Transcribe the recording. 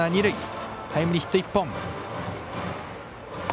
タイムリーヒット１本。